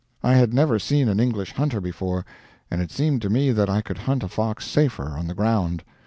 I had never seen an English hunter before, and it seemed to me that I could hunt a fox safer on the ground.